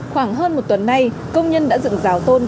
khoảng hơn một tuần nay công nhân đã dựng rào tôn